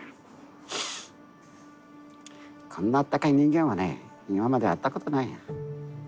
こんなあったかい人間はね今まで会ったことないよ。